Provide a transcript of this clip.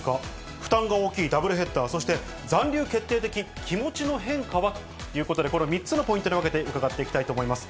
負担が大きいダブルヘッダー、そして残留決定的、気持ちの変化は？ということで、この３つのポイントに分けて、伺っていきたいと思います。